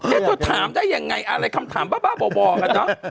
แล้วเธอถามได้ยังไงอะไรคำถามบ้าบ่อกันเนอะ